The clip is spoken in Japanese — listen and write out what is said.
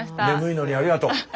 眠いのにありがとう。